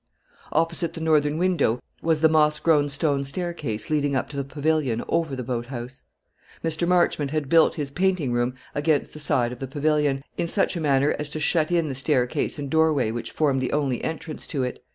Opposite the northern window was the moss grown stone staircase leading up to the pavilion over the boat house. Mr. Marchmont had built his painting room against the side of the pavilion, in such a manner as to shut in the staircase and doorway which formed the only entrance to it.